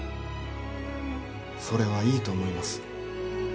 それはいいと思います。